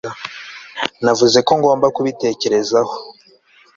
navuze ko ngomba kubitekerezaho